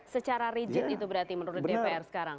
secara rigid itu berarti menurut dpr sekarang